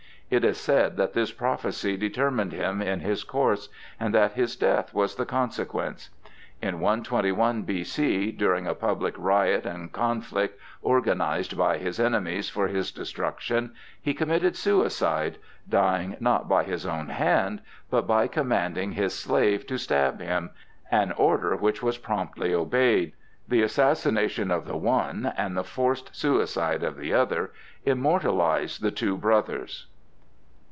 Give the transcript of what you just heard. It is said that this prophecy determined him in his course, and that his death was the consequence. In 121 B.C., during a public riot and conflict organized by his enemies for his destruction, he committed suicide, dying not by his own hand, but by commanding his slave to stab him,—an order which was promptly obeyed. The assassination of the one and the forced suicide of the other immortalized the two brothers.